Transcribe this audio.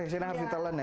saya harus ditelan ya